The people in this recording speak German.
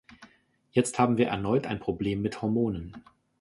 Jetzt haben wir erneut ein Problem mit Hormonen.